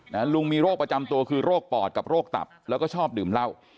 ลุงมีโรคประจำตัวคือโรคปอดกับโรคตับแล้วก็ชอบดื่มเหล้า